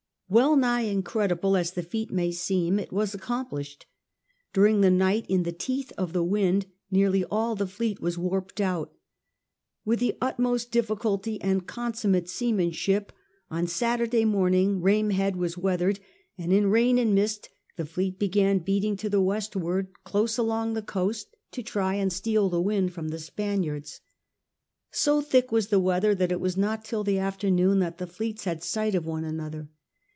Well nigh incredible as the feat may seem, it was accom plished. During the night, in the teeth of the wind, nearly all the fleet was wjwrped out. With the utmost difficulty and consummate seamanship, on Saturday morning Rame Head was weathered, and in rain and mist the fleet began beating to the westward close CHAP. XI EXTRICATES THE FLEET 149 along the coast to try and steal the wind from the Spaniards. So thick was the weather that it was not till the after noon that the fleets had sight of one another.